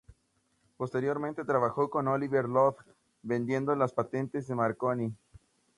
Posteriormente trabajó con Oliver Lodge, vendiendo las patentes a Marconi.